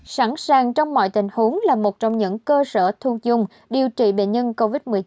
sẵn sàng trong mọi tình huống là một trong những cơ sở thu dung điều trị bệnh nhân covid một mươi chín